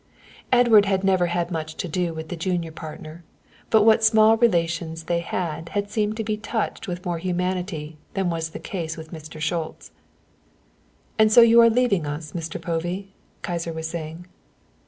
Edward had never had much to do with the junior partner, but what small relations they had had seemed to be touched with more humanity than was the case with Mr. Schultz. " and so you are leaving us, Mr. Povey?" Kyser was saying.